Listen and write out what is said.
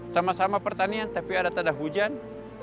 sama sama pertanian tapi ada tanda hujan